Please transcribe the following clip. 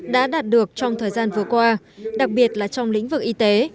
đã đạt được trong thời gian vừa qua đặc biệt là trong lĩnh vực y tế